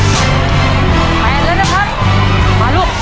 พิมพ์พิมพ์มาช่วยหน่อยก็ได้นะ